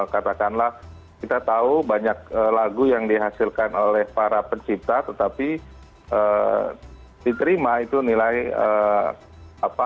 katakanlah kita tahu banyak lagu yang dihasilkan oleh para pencipta tetapi diterima itu nilai apa